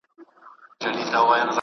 ويل کيږي چي قحطۍ ډېر خلک اغېزمن کړل.